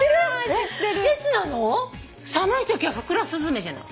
寒いときはふくらすずめじゃない。